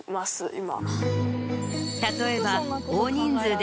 今。